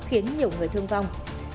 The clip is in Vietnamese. khiến nhiều người thương vong